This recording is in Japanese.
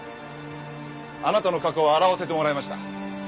あなたの過去を洗わせてもらいました。